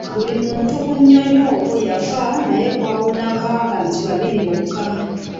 Buli muntu ku nnyonyi okwo yafa naye waawonawo abantu babiri bokka.